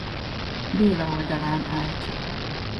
Béla oldalán állt.